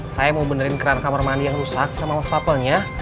saya mau benerin keran kamar mandi yang rusak sama wastafelnya